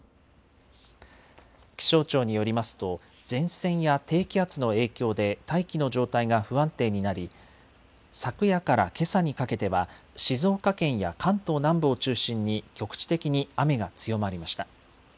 気象庁によりますと前線や低気圧の影響で大気の状態が不安定になり昨夜からけさにかけては静岡県や関東南部を中心に局地的に雨が強まりました。